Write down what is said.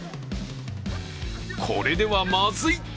これではまずい。